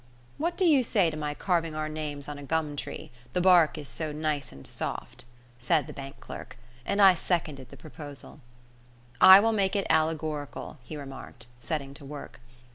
"What do you say to my carving our names on a gum tree, the bark is so nice and soft?" said the bank clerk; and I seconded the proposal. "I will make it allegorical," he remarked, setting to work.